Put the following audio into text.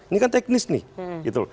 ini kan teknis nih